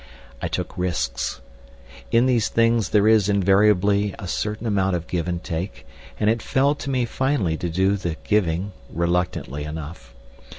I took risks. In these things there is invariably a certain amount of give and take, and it fell to me finally to do the giving reluctantly enough.